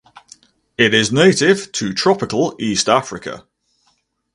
It is native to tropical East Africa.